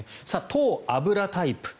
糖・油タイプ。